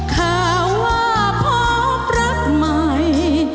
ข่าวว่าเพาปรับใหม่